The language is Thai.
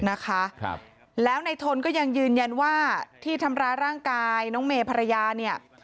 นะครับแล้วในทนก็ยังยืนยันว่าที่ทำร้ายร่างกายน้องเมย์ภรรยาเนี่ย